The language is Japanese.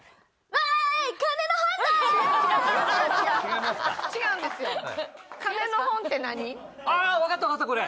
わかったわかったこれ！